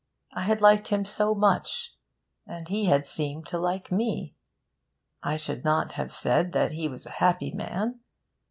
I had liked him so much, and he had seemed to like me. I should not have said that he was a happy man.